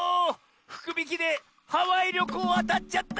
ふくびきでハワイりょこうあたっちゃった！」。